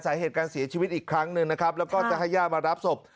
สาเหตุการเสียชีวิตอีกครั้งหนึ่งนะครับแล้วก็จะให้ย่ามารับศพ